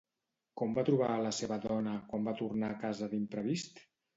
Com va trobar a la seva dona quan va tornar a casa d'imprevist?